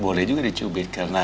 boleh juga dicubit karena